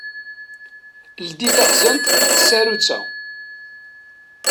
Ldi taxzant s tsarut-a.